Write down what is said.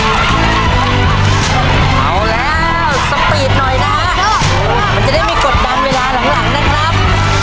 เอาแล้วสปีดหน่อยนะฮะมันจะได้มีกดดันเวลาหลังนะครับ